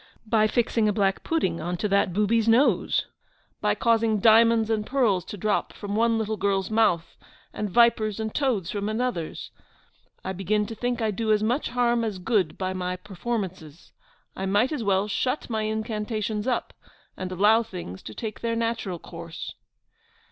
by fixing a black pudding on to that booby's nose? by causing diamonds and pearls to drop from one little girl's mouth, and vipers and toads from another's? I begin to think I do as much harm as good by my performances. I might as well shut my incantations up, and allow things to take their natural course.